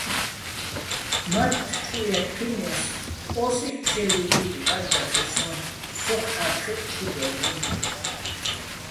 მათთ ჩუაჸ ე́ჴჴინეს, ოსი́ჰ̦ ფშე́ლიჼ კუჲტი̆ ბღარდახერსოჼ სოხ ჰ̦ა́თხეჸ ჩუ დო́ლ'ენო̆.